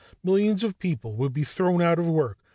Millions of people would be thrown out of work.